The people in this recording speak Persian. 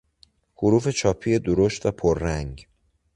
حروف چاپی درشت و پررنگ